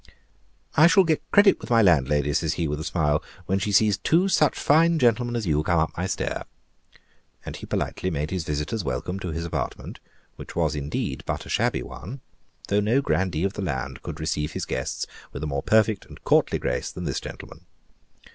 "I shall get credit with my landlady," says he, with a smile, "when she sees two such fine gentlemen as you come up my stair." And he politely made his visitors welcome to his apartment, which was indeed but a shabby one, though no grandee of the land could receive his guests with a more perfect and courtly grace than this gentleman.